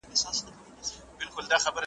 سل او څو پرهېزگاران مي شرابيان كړل `